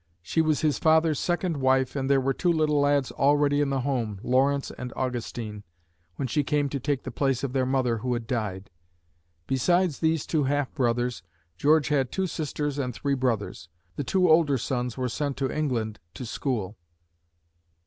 She was his father's second wife and there were two little lads already in the home, Lawrence and Augustine, when she came to take the place of their mother who had died. Besides these two half brothers, George had two sisters and three brothers. The two older sons were sent to England to school.